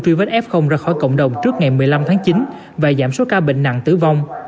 truy vết f ra khỏi cộng đồng trước ngày một mươi năm tháng chín và giảm số ca bệnh nặng tử vong